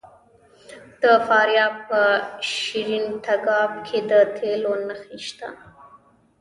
د فاریاب په شیرین تګاب کې د تیلو نښې شته.